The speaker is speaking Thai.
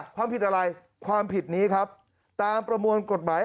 ความผิดอะไรความผิดนี้ครับตามประมวลกฎหมาย